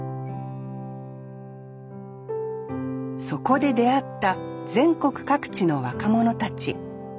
そこで出会った全国各地の若者たち。